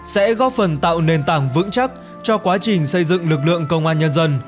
sẽ góp phần tạo nền tảng vững chắc cho quá trình xây dựng lực lượng công an nhân dân